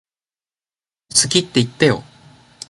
好きって言ってよ